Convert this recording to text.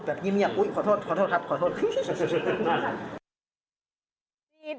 กลัวดังนี้เงียบอุ๊ยขอโทษขอโทษครับขอโทษ